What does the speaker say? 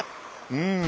うん。